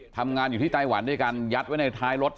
ทำงานอยู่ที่ไต้หวันด้วยกันยัดไว้ในท้ายรถ